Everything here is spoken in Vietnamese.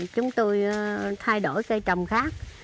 chúng tôi thay đổi cây trồng khác